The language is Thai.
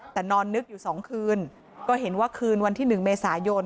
แต่นอนนึกอยู่๒คืนก็เห็นว่าคืนวันที่๑เมษายน